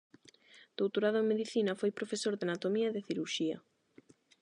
Doutorado en Medicina, foi profesor de anatomía e de cirurxía.